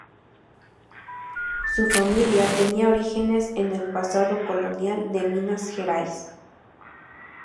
Su familia tenía orígenes en el pasado colonial de Minas Gerais.